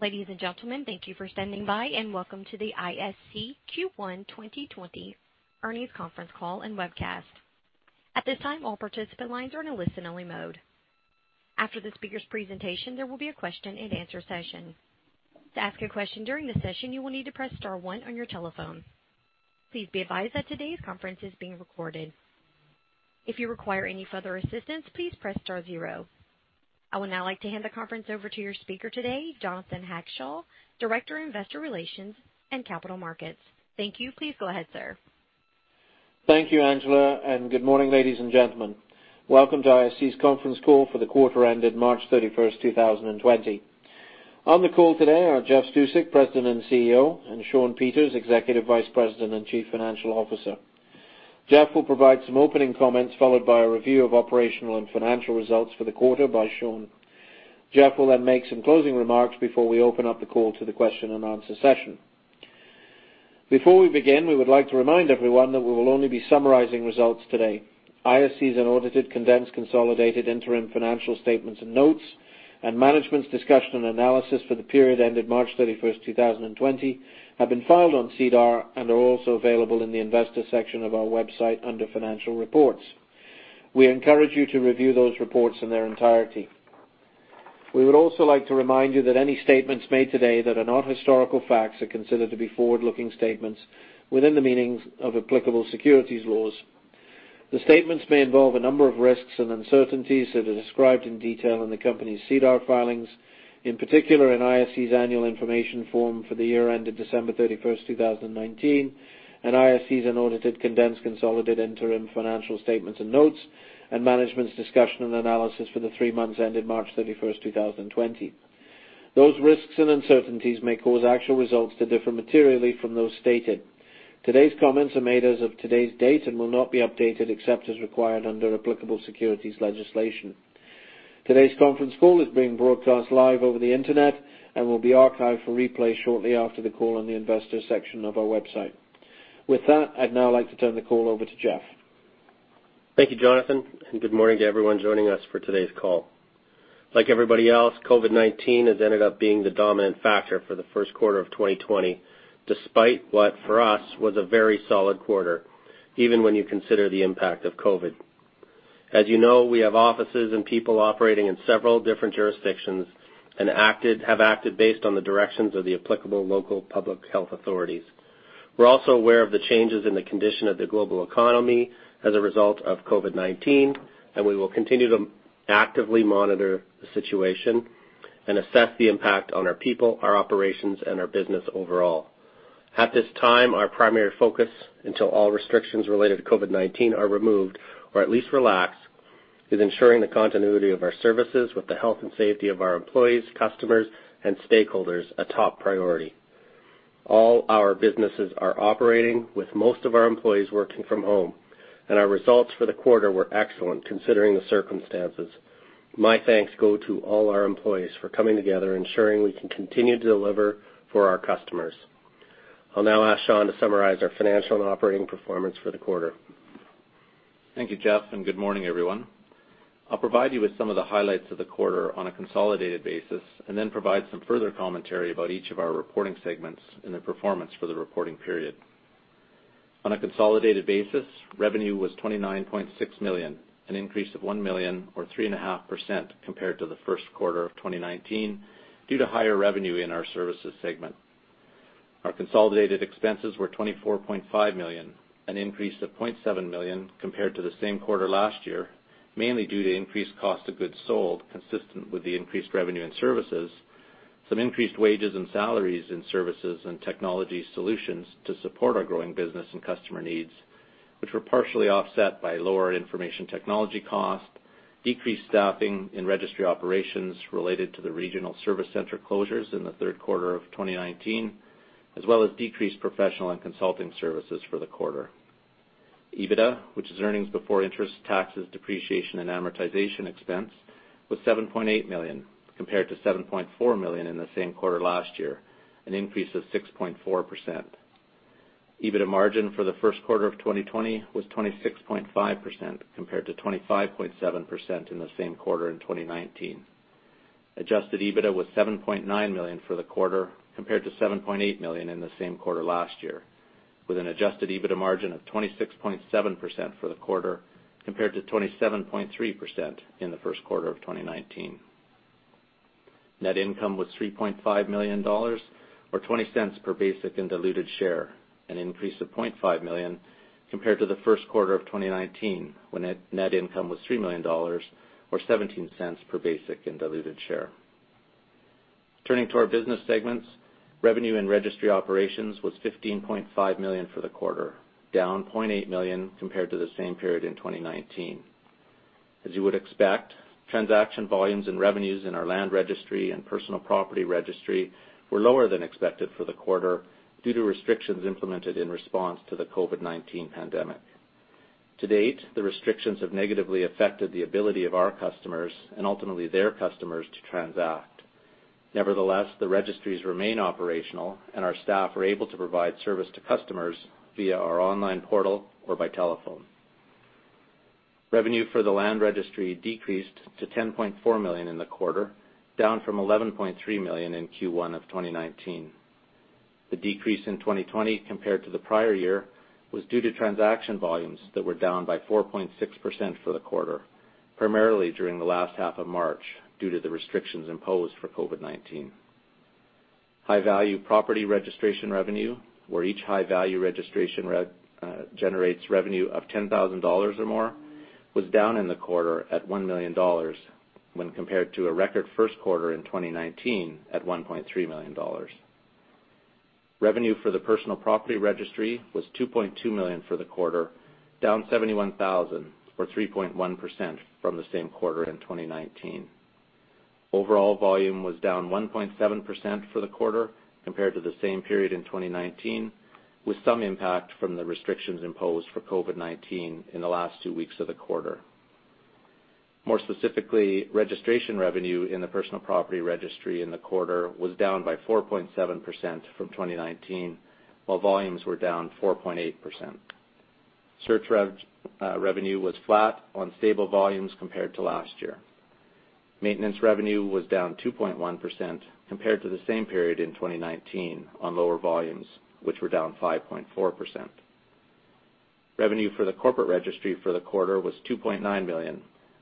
Ladies and gentlemen, thank you for standing by. Welcome to the ISC Q1 2020 Earnings Conference Call and Webcast. At this time, all participant lines are in a listen-only mode. After the speakers' presentation, there will be a question and answer session. To ask a question during the session, you will need to press star one on your telephone. Please be advised that today's conference is being recorded. If you require any further assistance, please press star zero. I would now like to hand the conference over to your speaker today, Jonathan Hackshaw, Director of Investor Relations and Capital Markets. Thank you. Please go ahead, sir. Thank you, Angela, and good morning, ladies and gentlemen. Welcome to ISC's conference call for the quarter ended March 31st, 2020. On the call today are Jeff Stusek, President and CEO, and Shawn Peters, Executive Vice President and Chief Financial Officer. Jeff will provide some opening comments, followed by a review of operational and financial results for the quarter by Shawn. Jeff will then make some closing remarks before we open up the call to the question and answer session. Before we begin, we would like to remind everyone that we will only be summarizing results today. ISC's unaudited condensed consolidated interim financial statements and notes, and Management's Discussion and Analysis for the period ended March 31st, 2020 have been filed on SEDAR and are also available in the investor section of our website under financial reports. We encourage you to review those reports in their entirety. We would also like to remind you that any statements made today that are not historical facts are considered to be forward-looking statements within the meanings of applicable securities laws. The statements may involve a number of risks and uncertainties that are described in detail in the company's SEDAR filings. In particular, in ISC's Annual Information Form for the year ended December 31st, 2019, and ISC's unaudited condensed consolidated interim financial statements and notes, and management's discussion and analysis for the three months ended March 31st, 2020. Those risks and uncertainties may cause actual results to differ materially from those stated. Today's comments are made as of today's date and will not be updated except as required under applicable securities legislation. Today's conference call is being broadcast live over the internet and will be archived for replay shortly after the call on the investor section of our website. With that, I'd now like to turn the call over to Jeff. Thank you, Jonathan, and good morning to everyone joining us for today's call. Like everybody else, COVID-19 has ended up being the dominant factor for the Q1 of 2020, despite what, for us, was a very solid quarter, even when you consider the impact of COVID. As you know, we have offices and people operating in several different jurisdictions and have acted based on the directions of the applicable local public health authorities. We're also aware of the changes in the condition of the global economy as a result of COVID-19, and we will continue to actively monitor the situation and assess the impact on our people, our operations, and our business overall. At this time, our primary focus, until all restrictions related to COVID-19 are removed, or at least relaxed, is ensuring the continuity of our services with the health and safety of our employees, customers, and stakeholders a top priority. All our businesses are operating with most of our employees working from home, and our results for the quarter were excellent considering the circumstances. My thanks go to all our employees for coming together, ensuring we can continue to deliver for our customers. I'll now ask Shawn to summarize our financial and operating performance for the quarter. Thank you, Jeff, and good morning, everyone. I'll provide you with some of the highlights of the quarter on a consolidated basis, and then provide some further commentary about each of our reporting segments and their performance for the reporting period. On a consolidated basis, revenue was 29.6 million, an increase of 1 million or 3.5% compared to the Q1 of 2019 due to higher revenue in our services segment. Our consolidated expenses were 24.5 million, an increase of 0.7 million compared to the same quarter last year, mainly due to increased cost of goods sold consistent with the increased revenue and services, some increased wages and salaries in services and technology solutions to support our growing business and customer needs, which were partially offset by lower information technology cost, decreased staffing in registry operations related to the regional service center closures in the Q3 of 2019, as well as decreased professional and consulting services for the quarter. EBITDA, which is earnings before interest, taxes, depreciation, and amortization expense, was 7.8 million, compared to 7.4 million in the same quarter last year, an increase of 6.4%. EBITDA margin for the Q1 of 2020 was 26.5% compared to 25.7% in the same quarter in 2019. Adjusted EBITDA was 7.9 million for the quarter compared to 7.8 million in the same quarter last year, with an adjusted EBITDA margin of 26.7% for the quarter compared to 27.3% in the Q1 of 2019. Net income was 3.5 million dollars, or 0.20 per basic and diluted share, an increase of 0.5 million compared to the Q1 of 2019, when net income was 3 million dollars, or 0.17 per basic and diluted share. Turning to our business segments, revenue in Registry Operations was 15.5 million for the quarter, down 0.8 million compared to the same period in 2019. As you would expect, transaction volumes and revenues in our Land Registry and Personal Property Registry were lower than expected for the quarter due to restrictions implemented in response to the COVID-19 pandemic. To date, the restrictions have negatively affected the ability of our customers, and ultimately their customers, to transact. Nevertheless, the registries remain operational and our staff are able to provide service to customers via our online portal or by telephone. Revenue for the Land Registry decreased to 10.4 million in the quarter, down from 11.3 million in Q1 of 2019. The decrease in 2020 compared to the prior year was due to transaction volumes that were down by 4.6% for the quarter, primarily during the last half of March, due to the restrictions imposed for COVID-19. High-value property registration revenue, where each high-value registration generates revenue of 10,000 dollars or more, was down in the quarter at 1 million dollars when compared to a record Q1 in 2019 at 1.3 million dollars. Revenue for the Personal Property Registry was 2.2 million for the quarter, down 71,000 or 3.1% from the same quarter in 2019. Overall volume was down 1.7% for the quarter compared to the same period in 2019, with some impact from the restrictions imposed for COVID-19 in the last two weeks of the quarter. More specifically, registration revenue in the Personal Property Registry in the quarter was down by 4.7% from 2019, while volumes were down 4.8%. Search revenue was flat on stable volumes compared to last year. Maintenance revenue was down 2.1% compared to the same period in 2019 on lower volumes, which were down 5.4%. Revenue for the Corporate Registry for the quarter was 2.9 million,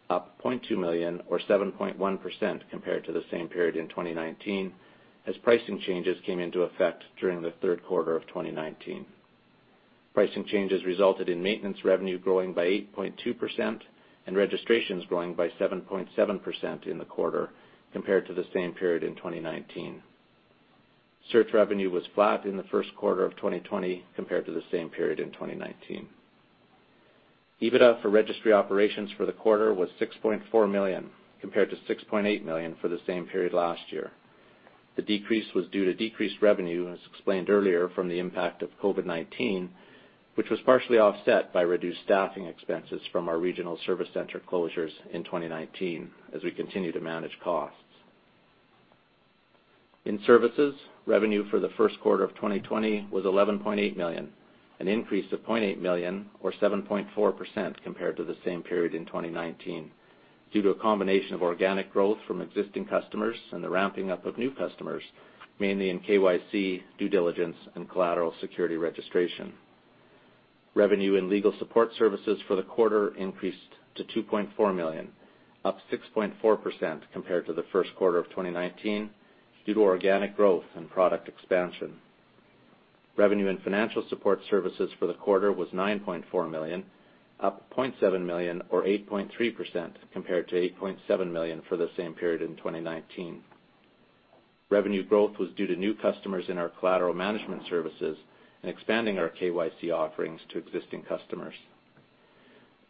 up 0.2 million or 7.1% compared to the same period in 2019, as pricing changes came into effect during the third quarter of 2019. Pricing changes resulted in maintenance revenue growing by 8.2% and registrations growing by 7.7% in the quarter compared to the same period in 2019. Search revenue was flat in the Q1 of 2020 compared to the same period in 2019. EBITDA for Registry Operations for the quarter was 6.4 million compared to 6.8 million for the same period last year. The decrease was due to decreased revenue, as explained earlier, from the impact of COVID-19, which was partially offset by reduced staffing expenses from our regional service center closures in 2019 as we continue to manage costs. In Services, revenue for the Q1 of 2020 was 11.8 million, an increase of 0.8 million or 7.4% compared to the same period in 2019 due to a combination of organic growth from existing customers and the ramping up of new customers, mainly in KYC, due diligence, and collateral security registration. Revenue in legal support services for the quarter increased to 2.4 million, up 6.4% compared to the Q1 of 2019 due to organic growth and product expansion. Revenue in financial support services for the quarter was 9.4 million, up 0.7 million or 8.3% compared to 8.7 million for the same period in 2019. Revenue growth was due to new customers in our collateral management services and expanding our KYC offerings to existing customers.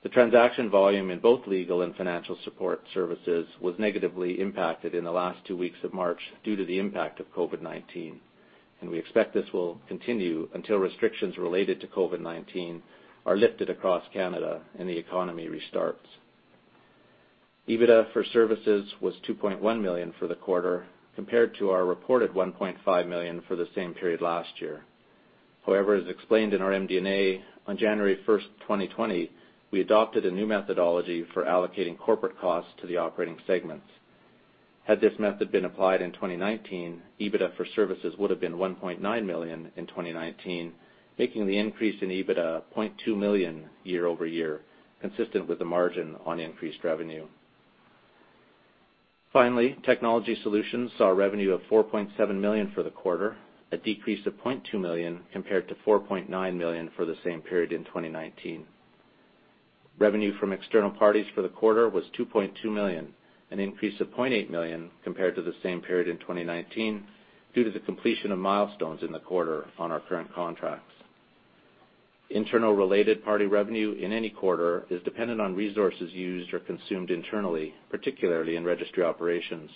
The transaction volume in both legal and financial support services was negatively impacted in the last two weeks of March due to the impact of COVID-19, and we expect this Will continue until restrictions related to COVID-19 are lifted across Canada and the economy restarts. EBITDA for Services was 2.1 million for the quarter compared to our reported 1.5 million for the same period last year. However, as explained in our MD&A, on January 1st, 2020, we adopted a new methodology for allocating corporate costs to the operating segments. Had this method been applied in 2019, EBITDA for Services would have been 1.9 million in 2019, making the increase in EBITDA 0.2 million year-over-year, consistent with the margin on increased revenue. Finally, Technology Solutions saw revenue of 4.7 million for the quarter, a decrease of 0.2 million compared to 4.9 million for the same period in 2019. Revenue from external parties for the quarter was 2.2 million, An increase of 0.8 million compared to the same period in 2019 due to the completion of milestones in the quarter on our current contracts. Internal related party revenue in any quarter is dependent on resources used or consumed internally, particularly in Registry Operations.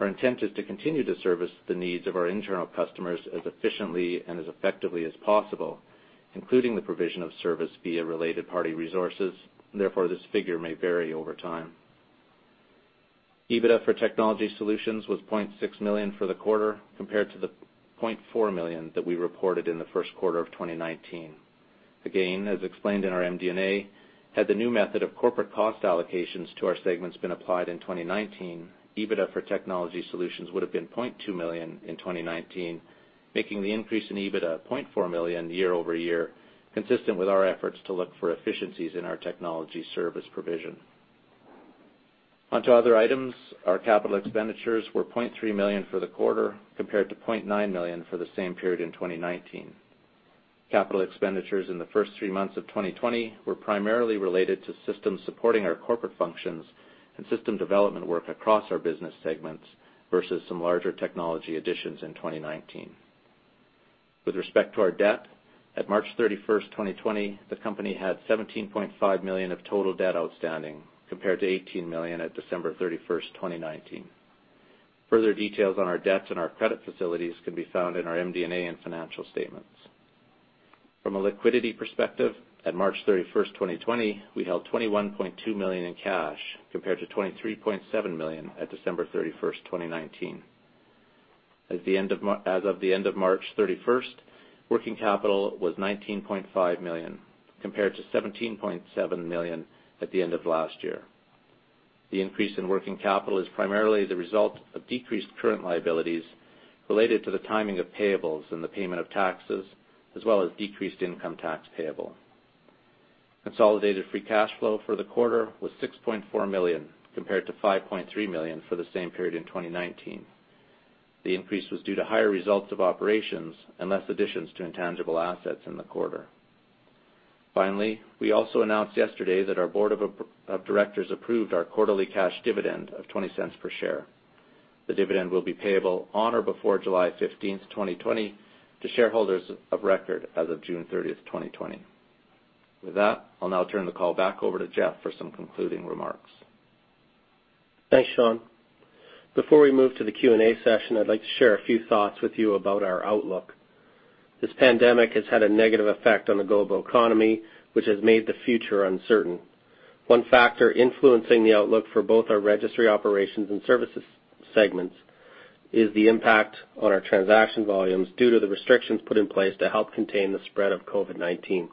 Our intent is to continue to service the needs of our internal customers as efficiently and as effectively as possible, including the provision of service via related party resources. Therefore, this figure may vary over time. EBITDA for Technology Solutions was 0.6 million for the quarter compared to the 0.4 million that we reported in the Q1 of 2019. Again, as explained in our MD&A, had the new method of corporate cost allocations to our segments been applied in 2019, EBITDA for Technology Solutions would have been 0.2 million in 2019, making the increase in EBITDA 0.4 million year-over-year, consistent with our efforts to look for efficiencies in our technology service provision. On to other items, our capital expenditures were 0.3 million for the quarter compared to 0.9 million for the same period in 2019. Capital expenditures in the first three months of 2020 were primarily related to systems supporting our corporate functions and system development work across our business segments versus some larger technology additions in 2019. With respect to our debt, at March 31st, 2020, the company had CAD 17.5 million of total debt outstanding compared to CAD 18 million at December 31st, 2019. Further details on our debts and our credit facilities can be found in our MD&A and financial statements. From a liquidity perspective, at March 31st, 2020, we held 21.2 million in cash compared to 23.7 million at December 31st, 2019. As of the end of March 31st, working capital was CAD 19.5 million compared to CAD 17.7 million at the end of last year. The increase in working capital is primarily the result of decreased current liabilities related to the timing of payables and the payment of taxes, as well as decreased income tax payable. Consolidated free cash flow for the quarter was 6.4 million, compared to 5.3 million for the same period in 2019. The increase was due to higher results of operations and less additions to intangible assets in the quarter. We also announced yesterday that our board of directors approved our quarterly cash dividend of 0.20 per share. The dividend will be payable on or before July 15th, 2020, to shareholders of record as of June 30th, 2020. With that, I'll now turn the call back over to Jeff for some concluding remarks. Thanks, Shawn. Before we move to the Q&A session, I'd like to share a few thoughts with you about our outlook. This pandemic has had a negative effect on the global economy, which has made the future uncertain. One factor influencing the outlook for both our registry operations and services segments is the impact on our transaction volumes due to the restrictions put in place to help contain the spread of COVID-19.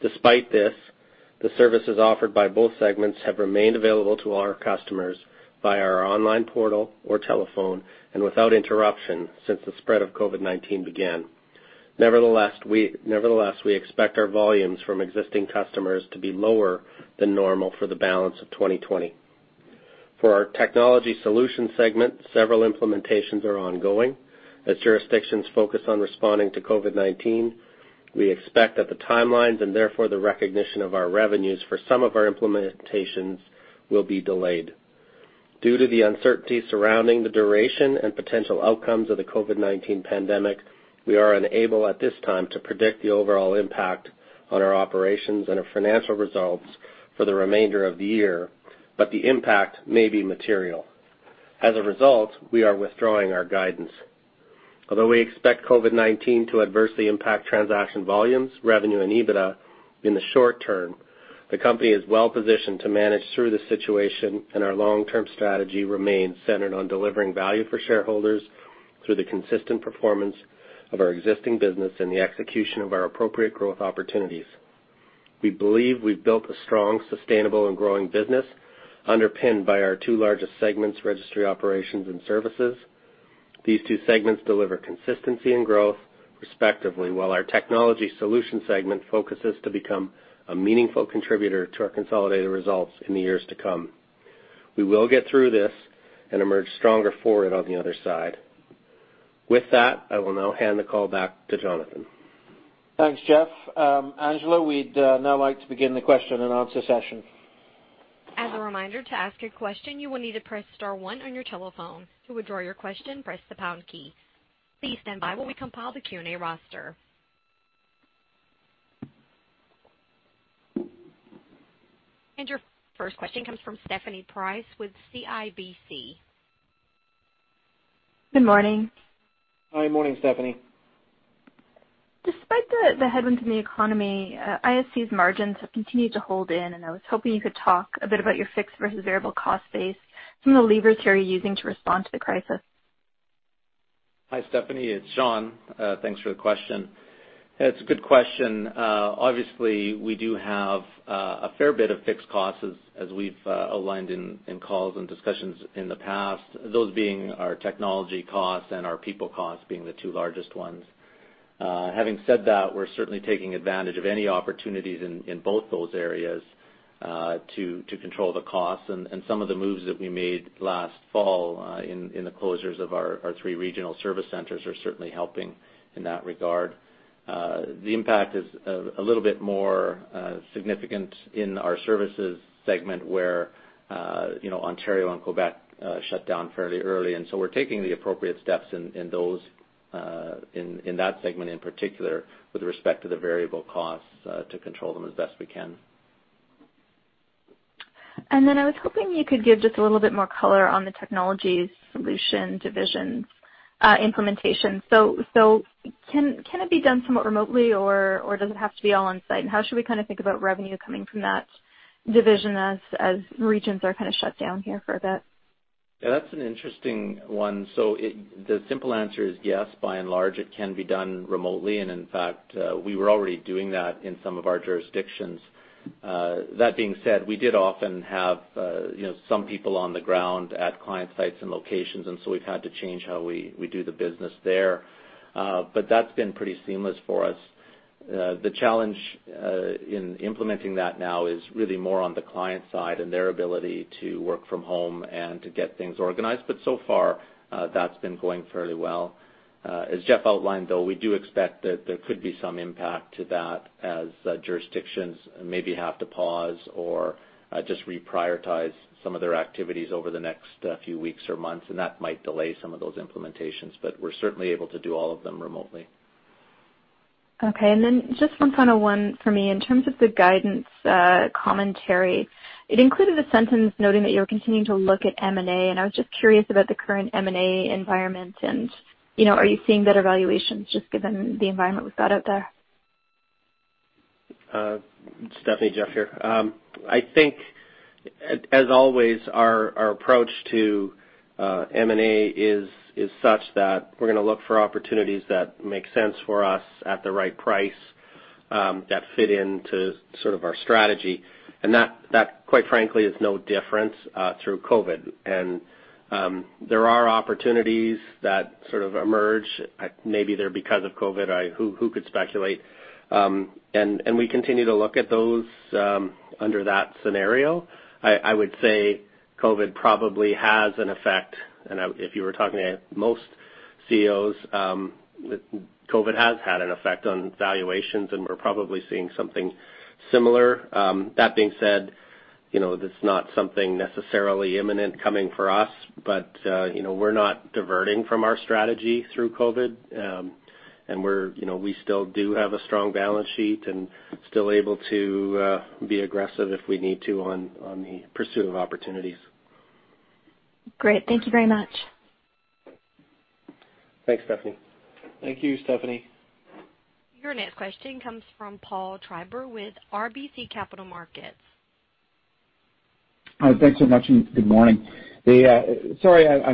Despite this, the services offered by both segments have remained available to our customers via our online portal or telephone and without interruption since the spread of COVID-19 began. Nevertheless, we expect our volumes from existing customers to be lower than normal for the balance of 2020. For our Technology Solution segment, several implementations are ongoing. As jurisdictions focus on responding to COVID-19, we expect that the timelines, and therefore the recognition of our revenues for some of our implementations, will be delayed. Due to the uncertainty surrounding the duration and potential outcomes of the COVID-19 pandemic, we are unable at this time to predict the overall impact on our operations and our financial results for the remainder of the year, but the impact may be material. As a result, we are withdrawing our guidance. Although we expect COVID-19 to adversely impact transaction volumes, revenue, and EBITDA in the short term, the company is well-positioned to manage through the situation, and our long-term strategy remains centered on delivering value for shareholders through the consistent performance of our existing business and the execution of our appropriate growth opportunities. We believe we've built a strong, sustainable, and growing business underpinned by our two largest segments, registry operations and services. These two segments deliver consistency and growth respectively, While our Technology Solution Segment focuses to become a meaningful contributor to our consolidated results in the years to come. We will get through this and emerge stronger forward on the other side. With that, I will now hand the call back to Jonathan. Thanks, Jeff. Angela, we'd now like to begin the question and answer session. As a reminder, to ask a question, you will need to press star one on your telephone. To withdraw your question, press the pound key. Please stand by while we compile the Q&A roster. Your first question comes from Stephanie Price with CIBC. Good morning. Good morning, Stephanie. Despite the headwinds in the economy, ISC's margins have continued to hold in, and I was hoping you could talk a bit about your fixed versus variable cost base, some of the levers you're using to respond to the crisis. Hi, Stephanie. It's Shawn. Thanks for the question. It's a good question. Obviously, we do have a fair bit of fixed costs as we've aligned in calls and discussions in the past, those being our technology costs and our people costs being the two largest ones. Having said that, we're certainly taking advantage of any opportunities in both those areas to control the costs. Some of the moves that we made last fall in the closures of our three regional service centers are certainly helping in that regard. The impact is a little bit more significant in our services segment, where Ontario and Quebec shut down fairly early, we're taking the appropriate steps in that segment in particular with respect to the variable costs to control them as best we can. I was hoping you could give just a little bit more color on the technologies solution divisions implementation. Can it be done somewhat remotely, or does it have to be all on-site? How should we think about revenue coming from that division as regions are shut down here for a bit? That's an interesting one. The simple answer is yes, by and large, it can be done remotely, and in fact, we were already doing that in some of our jurisdictions. That being said, we did often have some people on the ground at client sites and locations, and so we've had to change how we do the business there. That's been pretty seamless for us. The challenge in implementing that now is really more on the client side and their ability to work from home and to get things organized, but so far, that's been going fairly well. As Jeff outlined, though, we do expect that there could be some impact to that as jurisdictions maybe have to pause or just reprioritize some of their activities over the next few weeks or months, and that might delay some of those implementations, but we're certainly able to do all of them remotely. Okay, just one final one for me. In terms of the guidance commentary, it included a sentence noting that you're continuing to look at M&A. I was just curious about the current M&A environment, are you seeing better valuations just given the environment we've got out there? Stephanie, Jeff here. I think, as always, our approach to M&A is such that we're going to look for opportunities that make sense for us at the right price, that fit into our strategy. That, quite frankly, is no different through COVID. There are opportunities that sort of emerge, maybe they're because of COVID. Who could speculate? We continue to look at those under that scenario. I would say COVID probably has an effect, and if you were talking to most CEOs, COVID has had an effect on valuations, and we're probably seeing something similar. That being said, this is not something necessarily imminent coming for us. We're not diverting from our strategy through COVID. We still do have a strong balance sheet and still able to be aggressive if we need to on the pursuit of opportunities. Great. Thank you very much. Thanks, Stephanie. Thank you, Stephanie. Your next question comes from Paul Treiber with RBC Capital Markets. Thanks so much. Good morning. Sorry I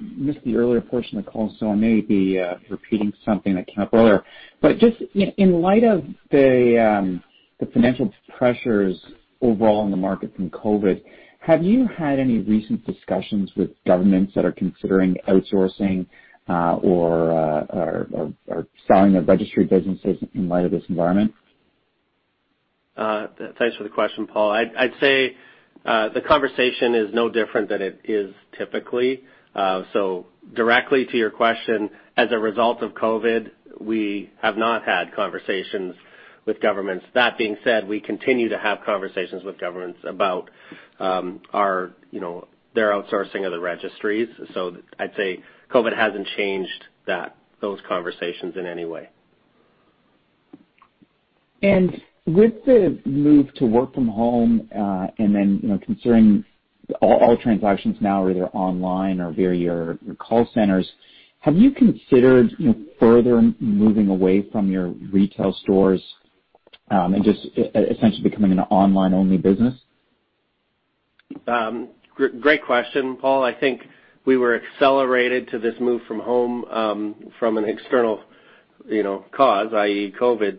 missed the earlier portion of the call, so I may be repeating something that came up earlier. Just in light of the financial pressures overall in the market from COVID-19, have you had any recent discussions with governments that are considering outsourcing or selling their registry businesses in light of this environment? Thanks for the question, Paul. I'd say the conversation is no different than it is typically. Directly to your question, as a result of COVID-19, we have not had conversations with governments. That being said, we continue to have conversations with governments about their outsourcing of the registries. I'd say COVID-19 hasn't changed those conversations in any way. With the move to work from home, and then considering all transactions now are either online or via your call centers, have you considered further moving away from your retail stores and just essentially becoming an online-only business? Great question, Paul. I think we were accelerated to this move from home from an external cause, i.e., COVID-19,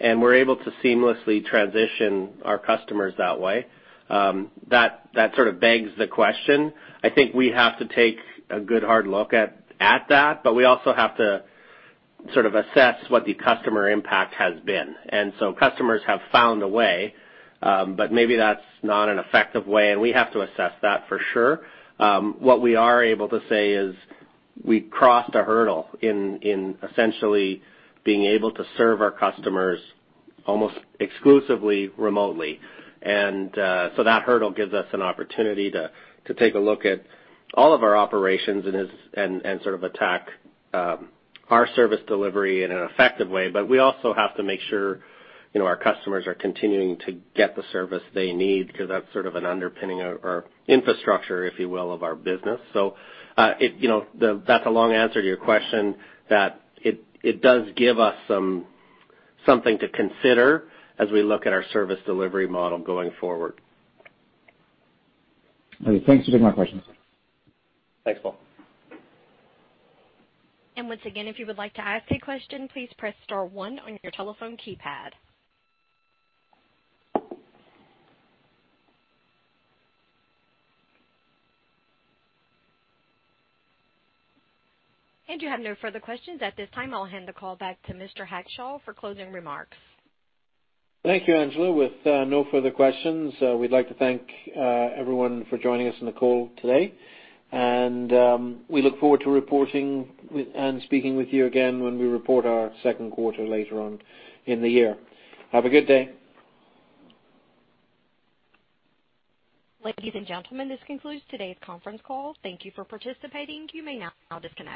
and we're able to seamlessly transition our customers that way. That sort of begs the question. I think we have to take a good hard look at that, but we also have to sort of assess what the customer impact has been. Customers have found a way, but maybe that's not an effective way, and we have to assess that for sure. What we are able to say is we crossed a hurdle in essentially being able to serve our customers almost exclusively remotely. That hurdle gives us an opportunity to take a look at all of our operations and sort of attack our service delivery in an effective way. We also have to make sure our customers are continuing to get the service they need because that's sort of an underpinning of our infrastructure, if you will, of our business. That's a long answer to your question that it does give us something to consider as we look at our service delivery model going forward. Okay. Thanks for taking my questions. Thanks, Paul. Once again, if you would like to ask a question, please press star one on your telephone keypad. You have no further questions at this time. I'll hand the call back to Mr. Hackshaw for closing remarks. Thank you, Angela. With no further questions, we'd like to thank everyone for joining us on the call today, and we look forward to reporting and speaking with you again when we report our Q2 later on in the year. Have a good day. Ladies and gentlemen, this concludes today's conference call. Thank you for participating. You may now disconnect.